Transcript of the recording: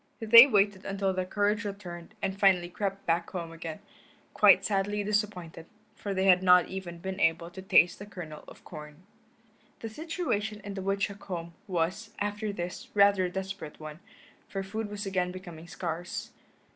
They waited until their courage returned and finally crept back home again, quite sadly disappointed, for they had not even been able to taste a kernel of corn. The situation in the woodchuck home was, after this, rather a desperate one, for food was again becoming scarce.